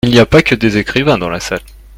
Il n'y a pas que des écrivains dans la salle.